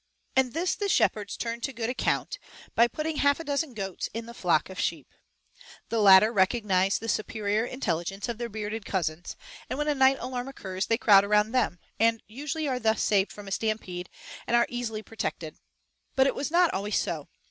And this the shepherds turn to good account by putting half a dozen goats in the flock of sheep. The latter recognize the superior intelligence of their bearded cousins, and when a night alarm occurs they crowd around them, and usually are thus saved from a stampede and are easily protected. But it was not always so.